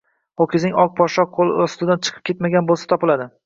Ho‘kizing oq poshsho qo‘l ostidan chiqib ketmagan bo‘lsa, topiladi